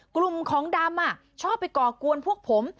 กลุ่มของดำชอบไปก่อกวนพวกผม